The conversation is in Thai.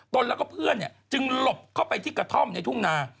นแล้วก็เพื่อนจึงหลบเข้าไปที่กระท่อมในทุ่งนา